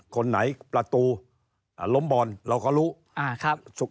คนไหนประตูล้มบอลเราก็รู้